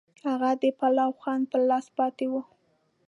هغه د پلاو خوند پر لاس پاتې و.